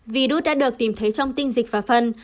virus đã được tìm thấy trong tinh dịch và phân